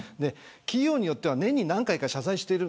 企業によっては年に何回か謝罪している。